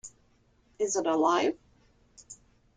Is it alive?’